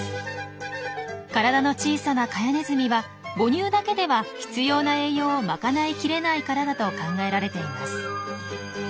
体の小さなカヤネズミは母乳だけでは必要な栄養をまかないきれないからだと考えられています。